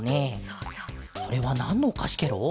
それはなんのおかしケロ？